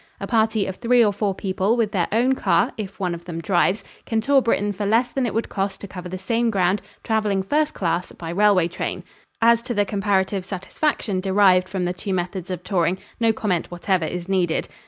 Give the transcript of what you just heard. A party of three or four people with their own car, if one of them drives, can tour Britain for less than it would cost to cover the same ground, traveling first class, by railway train. As to the comparative satisfaction derived from the two methods of touring, no comment whatever is needed.